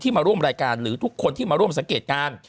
มาร่วมรายการหรือทุกคนที่มาร่วมสังเกตการณ์